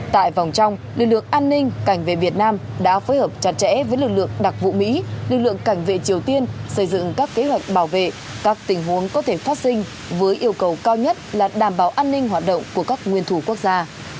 tại vòng trong lực lượng an ninh cảnh về việt nam đã phối hợp chặt chẽ với lực lượng đặc vụ mỹ lực lượng cảnh vệ triều tiên xây dựng các kế hoạch bảo vệ các tình huống có thể phát sinh với yêu cầu cao nhất là đảm bảo an ninh hoạt động của các nguyên thủ quốc gia